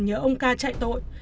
nhớ ông ca chạy tội